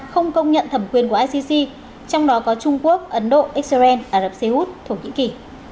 không công nhận thẩm quyền của icc trong đó có trung quốc ấn độ israel ả rập xê út thổ nhĩ kỳ